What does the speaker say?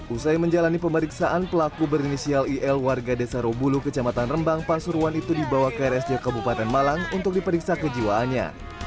usai menjalani pemeriksaan pelaku berinisial il warga desa robulu kecamatan rembang pasuruan itu dibawa ke rsj kabupaten malang untuk diperiksa kejiwaannya